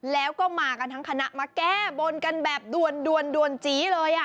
แล้วก็มากันทั้งคณะมาแก้บนกันแบบด่วนจี๊เลย